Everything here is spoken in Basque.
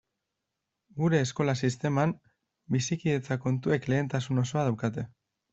Gure eskola sisteman bizikidetza kontuek lehentasun osoa daukate.